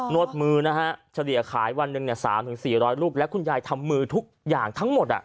วดมือนะฮะเฉลี่ยขายวันหนึ่งเนี่ย๓๔๐๐ลูกและคุณยายทำมือทุกอย่างทั้งหมด